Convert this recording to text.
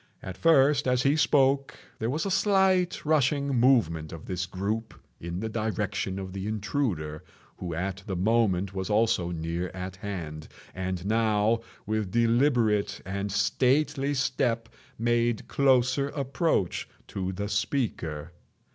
At first, as he spoke, there was a slight rushing movement of this group in the direction of the intruder, who at the moment was also near at hand, and now, with deliberate and stately step, made closer approach to the speaker.